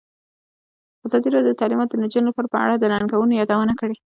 ازادي راډیو د تعلیمات د نجونو لپاره په اړه د ننګونو یادونه کړې.